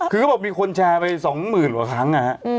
คือเขาบอกมีคนแชร์ไปสองหมื่นหัวครั้งนะฮะ